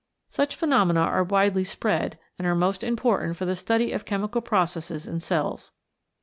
Such phenomena are widely spread and are most important for the study of chemical processes in cells.